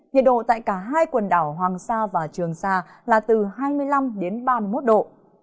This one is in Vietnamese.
nhiệt độ tại cả hai quần đảo hoàng sa và trường sa là từ hai mươi năm đến ba mươi một độ